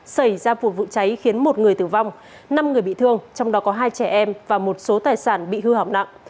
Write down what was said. xảy ra vụ cháy khiến một người tử vong năm người bị thương trong đó có hai trẻ em và một số tài sản bị hư hỏng nặng